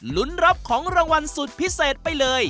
ลุ้นรับของรางวัลสุดพิเศษไปเลย